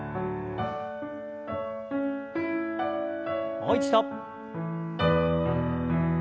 もう一度。